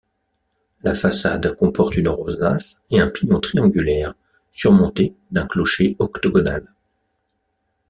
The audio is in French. La façade comporte une rosace et un pignon triangulaire, surmontés d'un clocher octogonal.